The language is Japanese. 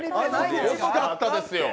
惜しかったですよ。